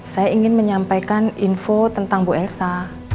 saya ingin menyampaikan info tentang bu elsa